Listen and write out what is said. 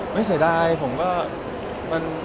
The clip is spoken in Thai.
ไม่ใส่ดาย